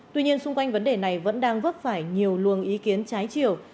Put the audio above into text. tuy nhiên xung quanh vấn đề này vẫn đang vấp phải nhiều luồng ý kiến trái chiều